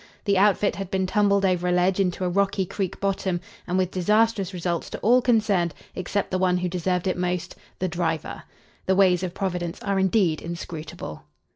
The "outfit" had been tumbled over a ledge into a rocky creek bottom, and with disastrous results to all concerned except the one who deserved it most the driver. The ways of Providence are indeed inscrutable.